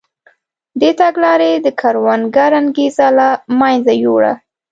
دې تګلارې د کروندګر انګېزه له منځه یووړه.